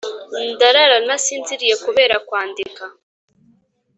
ndarara ntasinziriye kubera kwandika